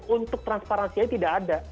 untuk transparansi itu tidak ada